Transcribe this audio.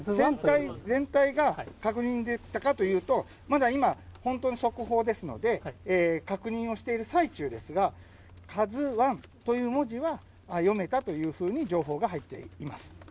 全体が確認できたかというと、まだ今、本当の速報ですので、確認をしている最中ですが、カズワンという文字は読めたというふうに、情報が入っています。